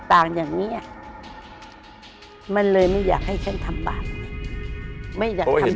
ต่างอย่างเนี้ยมันเลยไม่อยากให้ฉันทำบาปไม่อยากทำ